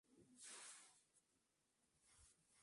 El poeta Pastor S. Obligado era hijo de Pastor Obligado.